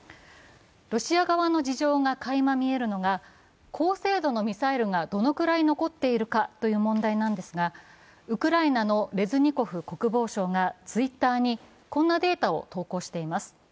ロシア側の事情がかいまみえるのが、高精度のミサイルがどれくらい残っているかという問題なんですがウクライナのレズニコフ国防相がＴｗｉｔｔｅｒに、こんなデータを投稿しています。